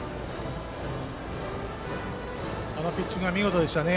あのピッチングは見事でしたね。